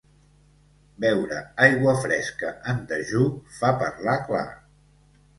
Beure aigua fresca en dejú fa parlar clar.